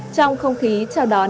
trong không khí chào đón